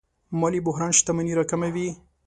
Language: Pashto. مالي بحران شتمني راکموي.